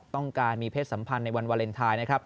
ต้องการมีเพศสัมพันธ์ในวันวาเลนไทยนะครับ